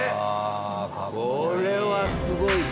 これはすごいぞ！